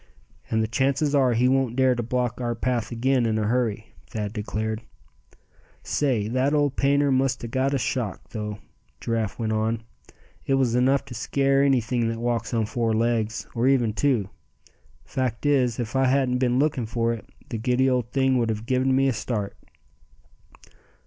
"And the chances are, he won't dare to block our path again in a hurry," Thad declared. "Say, that old painter must a got a shock, though," Giraffe went on. "It was enough to scare anything that walks on four legs, or even two. Fact is, if I hadn't been looking for it, the giddy old thing would a given me a start."